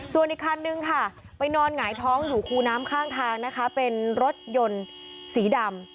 ส่วนอีกคันนึงค่ะไปนอนหงายท้องอยู่คูน้ำข้างทางนะคะเป็นรถยนต์สีดำ